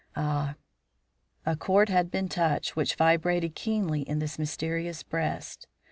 "Ah!" A chord had been touched which vibrated keenly in this mysterious breast.